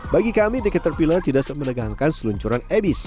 bagi kami di kater pilar tidak semenegangkan seluncuran abyss